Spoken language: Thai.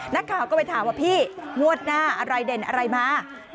นักข่าวก็ไปถามว่าพี่งวดหน้าอะไรเด่นอะไรมา